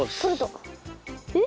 えっ！？